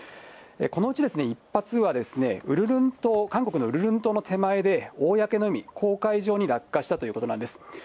このうち１発はウルルン島、韓国のウルルン島の手前で、公の海、公海上に落下したということなんです。